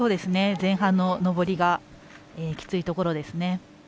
前半の上りがきついところですね。